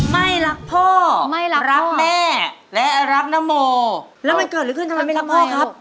ไม่รักพ่อไม่รักรักแม่และรักนโมแล้วมันเกิดอะไรขึ้นทำไมไม่รักพ่อครับ